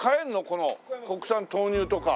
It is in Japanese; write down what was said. この国産豆乳とか。